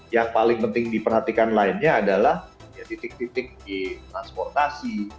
yang paling penting diperhatikan lainnya adalah titik titik di transportasi